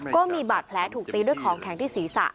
ก็มีบาดแผลถูกตีด้วยของแข็งที่ศีรษะ